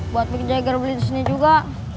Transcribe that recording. buat mick jagger beli di sini juga